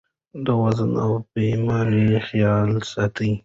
د وزن او پیمانې خیال ساتئ.